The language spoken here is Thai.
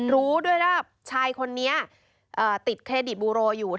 รู้ด้วยว่าชายคนนี้ติดเครดิตบูโรอยู่